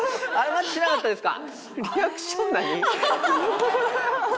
マッチしなかったですか。